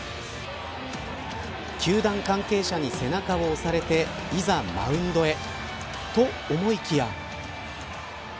球団関係者に背中を押されていざマウンドへと思いきや。